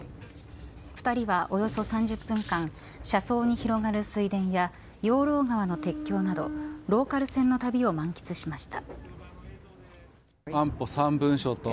２人はおよそ３０分間車窓に広がる水田や養老川の鉄橋などローカル線の旅を満喫しました。